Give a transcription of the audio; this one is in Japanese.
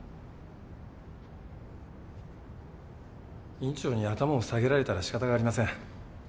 院長に頭を下げられたら仕方がありません。